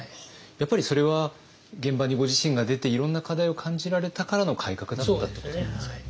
やっぱりそれは現場にご自身が出ていろんな課題を感じられたからの改革だったってことなんですかね。